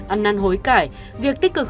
ăn năn hối cải việc tích cực